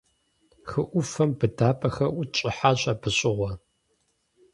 Хы Ӏуфэм быдапӀэхэр ӀутщӀыхьащ абы щыгъуэ.